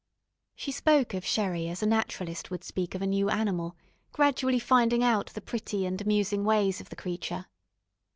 She spoke of Sherrie as a naturalist would speak of a new animal, gradually finding out the pretty and amusing ways of the creature.